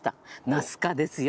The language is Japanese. ナス科ですよ。